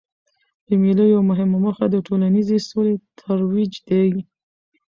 د مېلو یوه مهمه موخه د ټولنیزي سولې ترویج دئ.